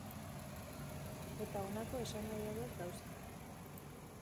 Eta honako esanahi hauek dauzka.